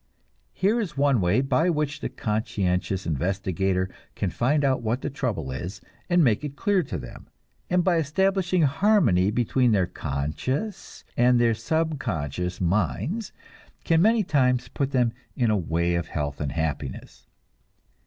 Here is one way by which the conscientious investigator can find out what the trouble is, and make it clear to them, and by establishing harmony between their conscious and their subconscious minds, can many times put them in the way of health and happiness.